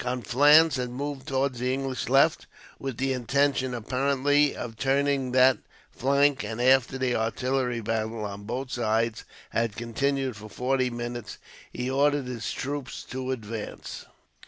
Conflans had moved towards the English left, with the intention, apparently, of turning that flank; and after the artillery battle on both sides had continued for forty minutes, he ordered his troops to advance.